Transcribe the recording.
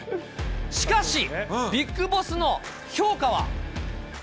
しかし、ビッグボスの評価は。